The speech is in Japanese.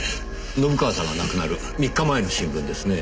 信川さんが亡くなる３日前の新聞ですねえ。